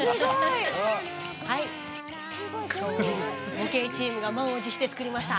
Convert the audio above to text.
模型チームが満を持して作りました。